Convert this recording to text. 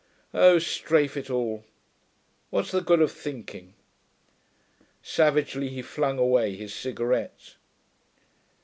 Oh, strafe it all, what's the good of thinking?' Savagely he flung away his cigarette.